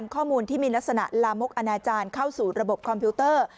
ข้อมูลที่มีลักษณะลามกอนาจารย์เข้าสู่ระบบคอมพิวเตอร์